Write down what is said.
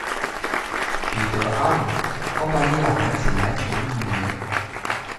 彼得·阿里，澳大利亚男子篮球运动员。